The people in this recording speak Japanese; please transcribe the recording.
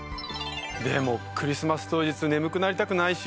でもクリスマス当日眠くなりたくないし。